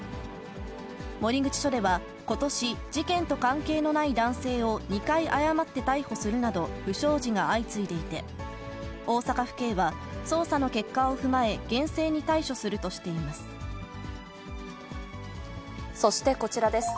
守口署では、ことし、事件と関係のない男性を２回誤って逮捕するなど、不祥事が相次いでいて、大阪府警は捜査の結果を踏まえ、厳正に対処するとしていそしてこちらです。